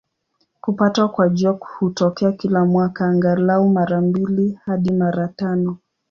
Kupatwa kwa Jua hutokea kila mwaka, angalau mara mbili hadi mara tano.